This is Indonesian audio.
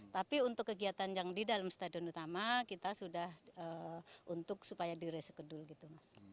tapi untuk kegiatan yang di dalam area ring road kita sudah untuk supaya di risked dulu